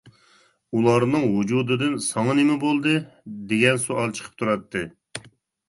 ئۇلارنىڭ ۋۇجۇدىدىن «ساڭا نېمە بولدى؟ !» دېگەن سوئال چىقىپ تۇراتتى.